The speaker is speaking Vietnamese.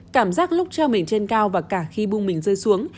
cảm giác lúc treo mình trên cao và cả khi buông mình rơi xuống